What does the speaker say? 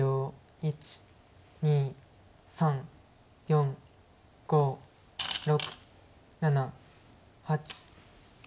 １２３４５６７８。